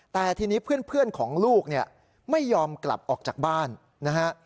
แต่ทีนี้เพื่อนของลูกเนี่ยไม่ยอมกลับออกจากบ้านนะฮะ